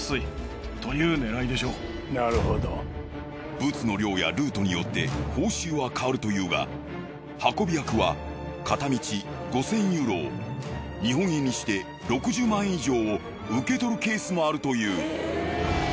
ブツの量やルートによって報酬は変わるというが運び役は片道５，０００ユーロ日本円にして６０万以上を受け取るケースもあるという。